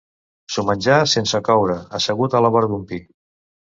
S'ho menjà sense coure, assegut a la vora d'un pi.